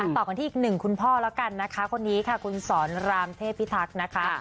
ต่อกันที่อีกหนึ่งคุณพ่อแล้วกันนะคะคนนี้ค่ะคุณสอนรามเทพิทักษ์นะคะ